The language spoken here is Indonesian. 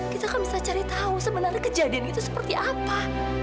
kita akan bisa cari tahu sebenarnya kejadian itu seperti apa